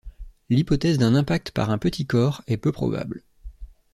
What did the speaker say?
L'hypothèse d'un impact par un petit corps est peu probable.